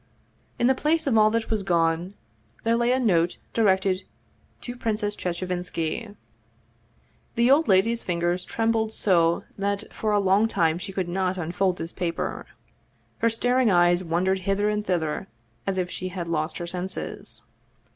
In the place of all that was gone, there lay a note directed " to Princess Chechevinski." The old lady's fingers trembled so that for a long time she could not unfold this paper. Her staring eyes wan dered hither and thither as if she had lost her senses.